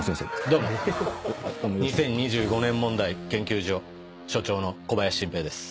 どうも２０２５年問題研究所所長の小林晋平です。